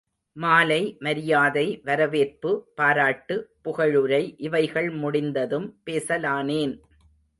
மாலை, மரியாதை வரவேற்பு பாராட்டு புகழுரை இவைகள் முடிந்ததும் பேசலானேன்.